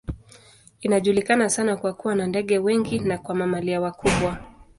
Inajulikana sana kwa kuwa na ndege wengi na kwa mamalia wakubwa.